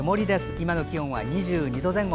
今の気温は２２度前後。